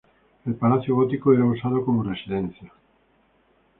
El palacio gótico era usado como residencia.